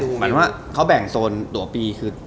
หมายถึงว่าเขาแบ่งโซนตัวปีคือ